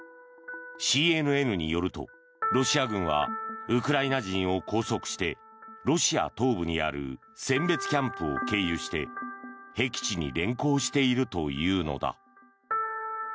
ＣＮＮによるとロシア軍はウクライナ人を拘束してロシア東部にある選別キャンプを経由してへき地に連行しているというのだ。